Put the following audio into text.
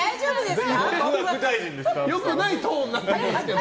よくないトーンになってますけど。